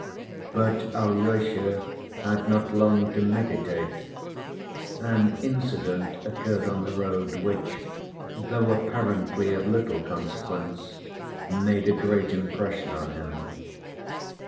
But Alyosha had not long to meditate. An incident occurred on the road, which, though apparently of little consequence, made a great impression on him.